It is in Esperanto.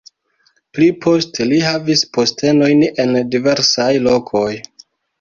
Pli poste li havis postenojn en diversaj lokoj.